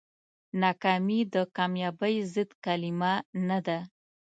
ناکامي د کامیابۍ ضد کلمه نه ده.